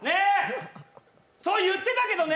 そう言ってたけどね。